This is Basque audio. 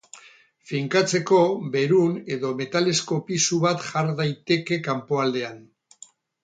Finkatzeko, berun edo metalezko pisu bat jar daiteke kanpoaldean.